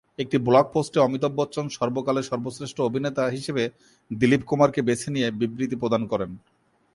একটি ব্লগ পোস্টে অমিতাভ বচ্চন সর্বকালের সর্বশ্রেষ্ঠ অভিনেতা হিসেবে দিলীপ কুমারকে বেছে নিয়ে বিবৃতি প্রদান করেন।